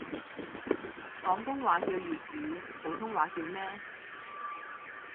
廣東話叫粵語，普通話叫咩？